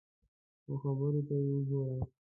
او خبرو ته یې وګوره !